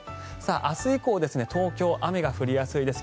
明日以降東京は雨が降りやすいです。